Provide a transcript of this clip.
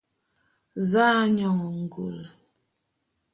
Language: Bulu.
Za'a nyone ngule.